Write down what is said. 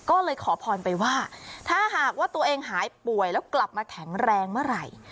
ก็เลยขอพรไปว่าถ้าหากว่าตัวเองหายป่วยแล้วกลับมาแข็งแรงเมื่อไหร่